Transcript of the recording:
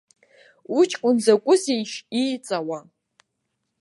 Уҷкәын закәызеишь ииҵауа?